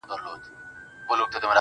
• لويه گناه.